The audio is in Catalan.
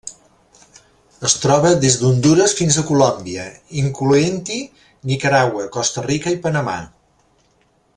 Es troba des d'Hondures fins a Colòmbia, incloent-hi Nicaragua, Costa Rica i Panamà.